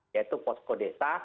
yaitu posko desa